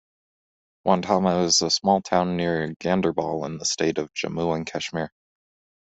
Wandhama is a small town near Ganderbal in the state of Jammu and Kashmir.